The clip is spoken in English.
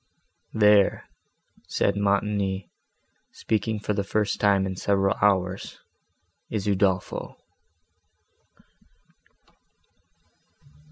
"There," said Montoni, speaking for the first time in several hours, "is Udolpho."